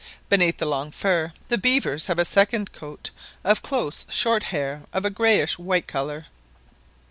Beneath the long fur, the beavers have a second coat of close short hair of a greyish white colour.